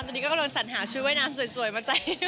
ตอนนี้ก็กำลังสัญหาชุดว่ายน้ำสวยมาใส่